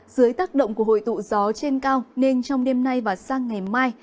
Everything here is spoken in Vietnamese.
dưới tác động của hội tụ gió trên cao nên trong đêm nay và sang ngày mai